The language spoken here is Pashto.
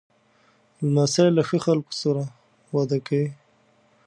لمسی له ښو خلکو سره وده کوي.